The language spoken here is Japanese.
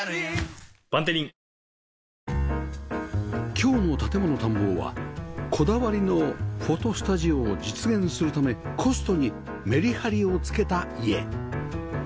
今日の『建もの探訪』はこだわりのフォトスタジオを実現するためコストにメリハリをつけた家